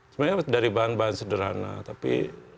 sebenarnya dari bahan bahan sederhana tapi